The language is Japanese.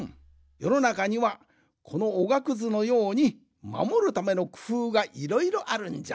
よのなかにはこのおがくずのようにまもるためのくふうがいろいろあるんじゃ。